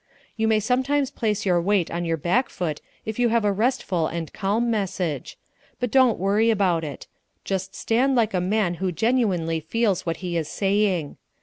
You may sometimes place your weight on your back foot if you have a restful and calm message but don't worry about it: just stand like a man who genuinely feels what he is saying.